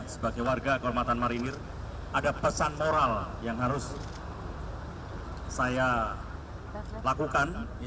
sebagai warga kehormatan marinir ada pesan moral yang harus saya lakukan